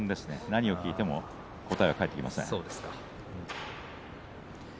何を聞いても答えは返ってきません。